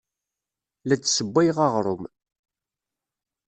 La d-ssewwayeɣ aɣrum.